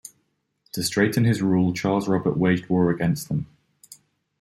To straighten his rule Charles Robert waged war against them.